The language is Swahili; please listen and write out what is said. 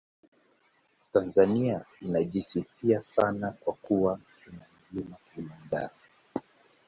Tanzania inajisifia sana kwa kuwa ina Mlima Kilimanjaro